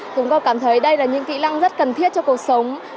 chúng tôi cảm thấy đây là những kỹ năng rất cần thiết cho cuộc sống